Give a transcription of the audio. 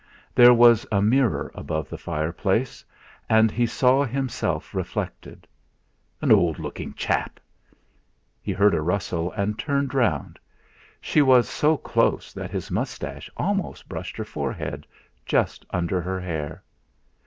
There was a mirror above the fireplace, and he saw himself reflected. An old looking chap! He heard a rustle, and turned round. She was so close that his moustache almost brushed her forehead, just under her hair.